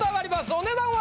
お値段は？